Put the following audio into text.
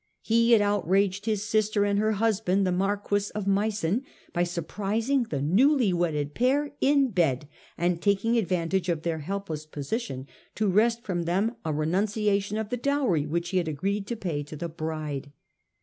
He had outraged his sister and her husband, the Marquis of Meissen, by surprising the newly wedded pair in bed and taking advantage of their helpless position to wrest from them a renunciation of the dowry which he had agreed to pay to the bride.